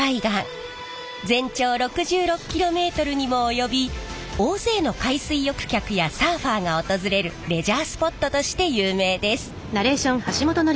全長６６キロメートルにも及び大勢の海水浴客やサーファーが訪れるレジャースポットとして有名です。